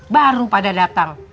baru pada datang